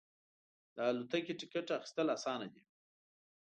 د الوتکې ټکټ اخیستل اسانه دی.